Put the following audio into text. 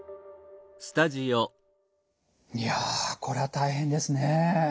いやこれは大変ですね。